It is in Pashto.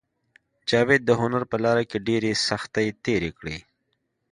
جاوید د هنر په لاره کې ډېرې سختۍ تېرې کړې